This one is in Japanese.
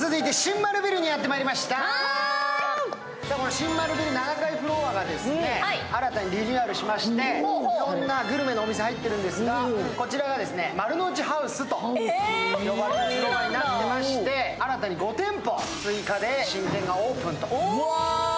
新丸ビル７階フロアが新たにリニューアルしまして、いろんなグルメのお店入ってるんですがこちらが丸の内ハウスと呼ばれるフロアになっていまして新たに５店舗追加で新店がオープンと。